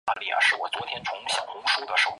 社名是相对于川上村的丹生川上神社上社。